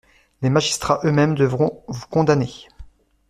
Les magistrats eux-mêmes devront vous condamner.